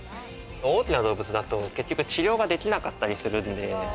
大きな動物だと治療ができなかったりするんで。